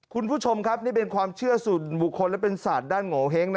คุณผู้ชมครับนี่เป็นความเชื่อส่วนบุคคลและเป็นศาสตร์ด้านโงเห้งนะ